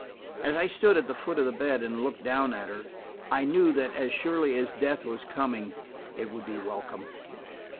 As I stood at the foot of the bed and looked down at her, I knew that as surely as death was coming, it would be welcome.